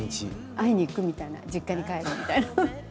会いに行くみたいな実家に帰るみたいな。